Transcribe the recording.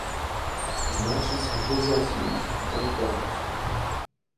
Значыць, глядзяць людзі, памятаюць.